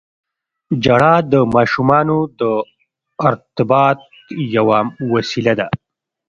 • ژړا د ماشومانو د ارتباط یوه وسیله ده.